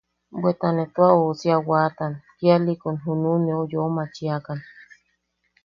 Bweta ne tua ousi a waatan kialiʼikun junuʼu neu yeu machiakan.